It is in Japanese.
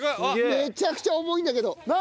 めちゃくちゃ重いんだけど。